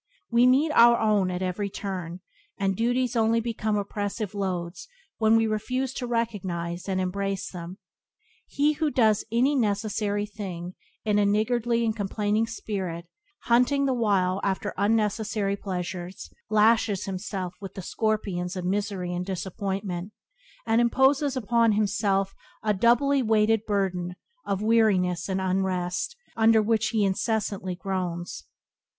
We meet our own at every turn, and duties only become oppressive loads when we refuse to recognize and embrace them. He who does any necessary thing in a niggardly and complaining spirit, hunting the while after unnecessary pleasures, lashes himself with the scorpions of misery and disappointment, and imposes upon himself a doubly weighted burden of weariness and unrest under which he incessantly groans.